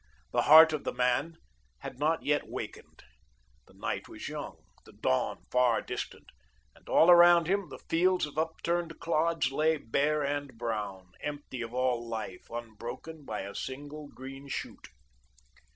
The heart of the man had not yet wakened. The night was young, the dawn far distant, and all around him the fields of upturned clods lay bare and brown, empty of all life, unbroken by a single green shoot.